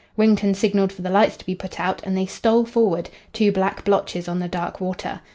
Wrington signalled for the lights to be put out, and they stole forward, two black blotches on the dark water.